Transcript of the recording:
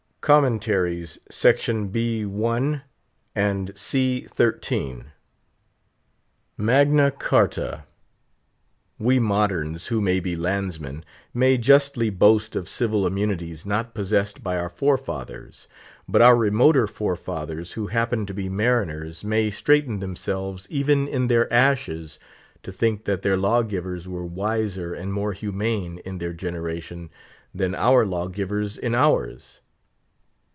*[* Commentaries, b. i., c. xiii.] Magna Charta! We moderns, who may be landsmen, may justly boast of civil immunities not possessed by our forefathers; but our remoter forefathers who happened to be mariners may straighten themselves even in their ashes to think that their lawgivers were wiser and more humane in their generation than our lawgivers in ours.